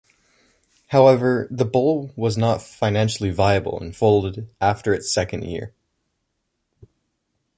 However, the bowl was not financially viable, and folded after its second year.